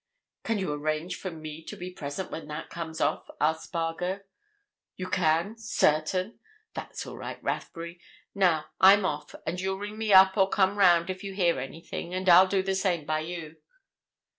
"Can you arrange for me to be present when that comes off?" asked Spargo. "You can—certain? That's all right, Rathbury. Now I'm off, and you'll ring me up or come round if you hear anything, and I'll do the same by you."